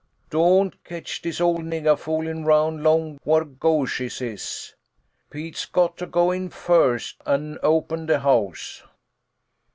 Don't ketch dis ole niggah foolin' roun' long whar ghos'es is. Pete's got to go in first an' open de house."